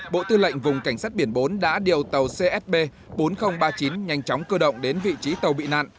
bộ tư lệnh vùng cảnh sát biển bốn đã điều tàu csb bốn nghìn ba mươi chín nhanh chóng cơ động đến vị trí tàu bị nạn